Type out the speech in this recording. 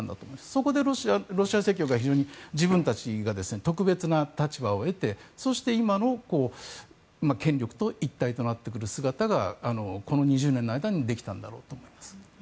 そこでロシア正教会が非常に自分たちが特別な立場を得てそうして今の権力と一体となっている姿がこの２０年の間にできたんだろうと思います。